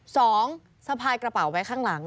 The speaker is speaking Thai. สะพายกระเป๋าไว้ข้างหลัง